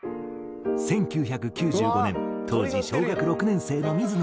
１９９５年当時小学６年生の水野少年。